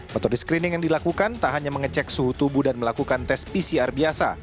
motor di screening yang dilakukan tak hanya mengecek suhu tubuh dan melakukan tes pcr biasa